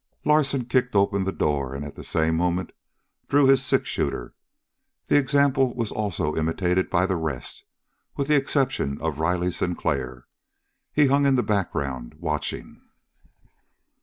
Larsen kicked open the door and at the same moment drew his six shooter. That example was also imitated by the rest, with the exception of Riley Sinclair. He hung in the background, watching.